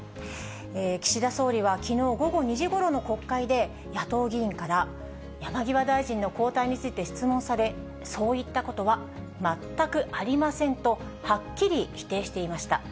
岸田総理はきのう午後２時ごろの国会で、野党議員から山際大臣の交代について質問され、そういったことは全くありませんと、はっきり否定していました。